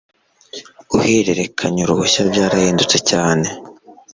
guhererekanya uruhushya byarahindutse cyane